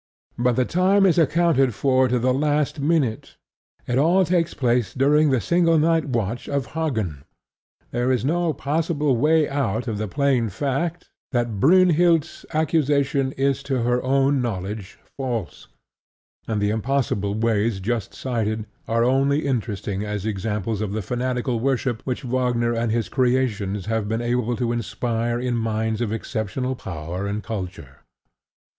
But the time is accounted for to the last minute: it all takes place during the single night watch of Hagen. There is no possible way out of the plain fact that Brynhild's accusation is to her own knowledge false; and the impossible ways just cited are only interesting as examples of the fanatical worship which Wagner and his creations have been able to inspire in minds of exceptional power and culture.